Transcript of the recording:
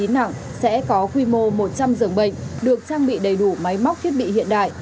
chín nặng sẽ có quy mô một trăm linh giường bệnh được trang bị đầy đủ máy móc thiết bị hiện đại